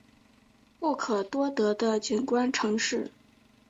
不可多得的景观城市